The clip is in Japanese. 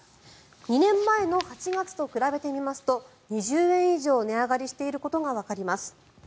２年前の８月と比べてみますと２０円以上値上がりしていることがわかります。